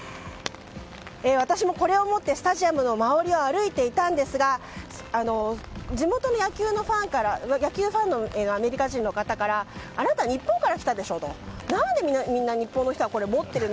私もこれを持ってスタジアムの周りを歩いていたんですが地元の野球ファンのアメリカ人の方からあなた日本から来たでしょ？